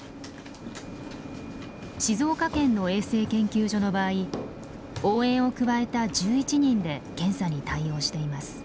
静岡県の衛生研究所の場合応援を加えた１１人で検査に対応しています。